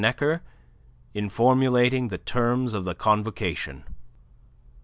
Necker in formulating the terms of the convocation.